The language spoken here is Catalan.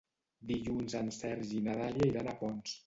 Dilluns en Sergi i na Dàlia iran a Ponts.